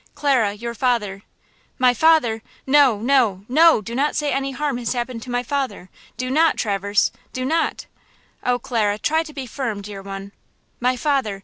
"Clara–your father–" "My father! No, no–no–do not say any harm has happened to my father–do not, Traverse!–do not!" "Oh, Clara, try to be firm, dear one!" "My father!